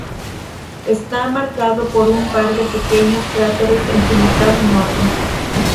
Está marcado por un par de pequeños cráteres en su mitad norte.